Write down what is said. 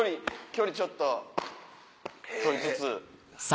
距離ちょっと取りつつ。